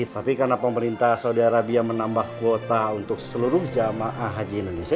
tapi karena pemerintah saudi arabia menambah kuota untuk seluruh jamaah haji indonesia